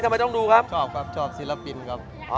ชอบครับชอบศิลปินครับ